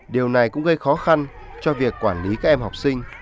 điều này cũng gây khó khăn cho việc quản lý các em học sinh